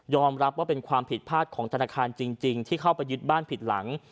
รับว่าเป็นความผิดพลาดของธนาคารจริงที่เข้าไปยึดบ้านผิดหลัง